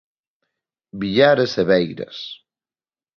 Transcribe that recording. Villares e Beiras.